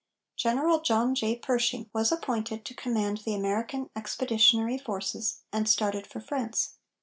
General John J. Pershing was appointed to command the American Expeditionary Forces, and started for France.